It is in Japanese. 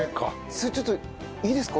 それちょっといいですか？